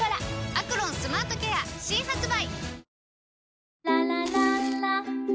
「アクロンスマートケア」新発売！